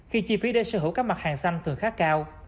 khi chi phí để sở hữu các mặt hàng xanh thường khá cao